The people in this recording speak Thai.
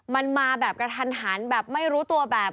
มันมาแบบกระทันหันแบบไม่รู้ตัวแบบ